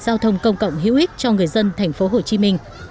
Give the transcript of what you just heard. giao thông công cộng hữu ích cho người dân tp hcm